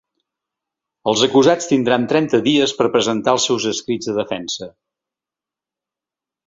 Els acusats tindran trenta dies per presentar els seus escrits de defensa.